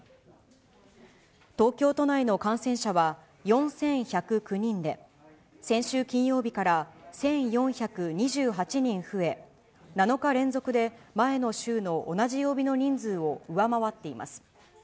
東京都内の感染者は、４１０９人で、先週金曜日から１４２８人増え、７日連続で前の週の同じ曜日の人数を上回っています。